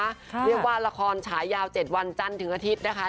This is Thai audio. เรียกว่าละครฉายาว๗วันจันทร์ถึงอาทิตย์นะคะ